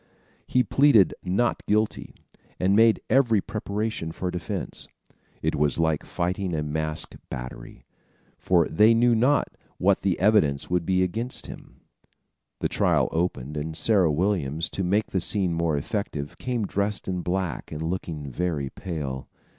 He plead not guilty and made every preparation for defense. It was like fighting a masked battery; for they knew not what the evidence would be against them. The trial opened, and Sarah Williams, to make the scene more effective, came dressed in black and looking very pale.